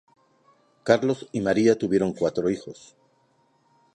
Carlos y María tuvieron cuatro hijos.